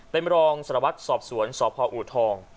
เป็นรองสรวจสอบสวนสอบภาวอูททอง